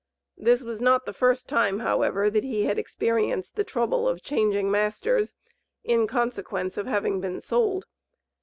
This was not the first time, however, that he had experienced the trouble of changing masters, in consequence of having been sold.